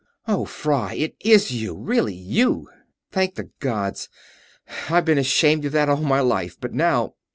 "Oh, Fry! It is you! Really you! Thank the gods! I've been ashamed of that all my life, but now...."